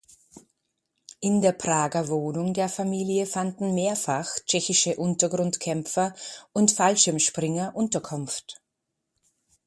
In der Prager Wohnung der Familie fanden mehrfach tschechische Untergrundkämpfer und Fallschirmspringer Unterkunft.